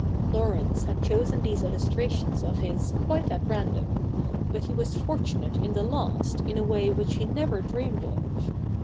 Laurence had chosen these illustrations of his quite at random ; but he was fortunate in the last in a way which he never dreamed of.